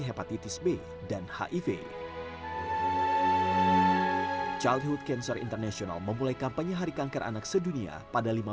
hepatitis b dan hiv childhood cancer international memulai kampanye hari kanker anak sedunia pada lima